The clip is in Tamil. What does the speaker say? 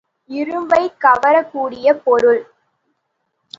இரும்பைக் கவரப் கூடிய பொருள்.